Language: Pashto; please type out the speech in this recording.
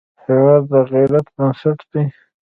هېواد د غیرت بنسټ دی.